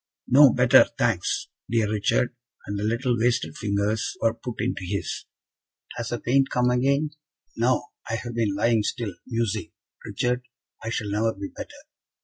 "No better, thanks, dear Richard;" and the little wasted fingers were put into his. "Has the pain come again?" "No; I have been lying still, musing; Richard, I shall never be better."